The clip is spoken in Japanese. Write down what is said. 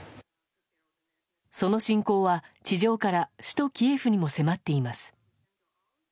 その侵攻は、地上から首都キエフにも迫っています。